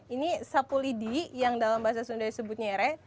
ini sapu lidi yang dalam bahasa sunda disebut nyere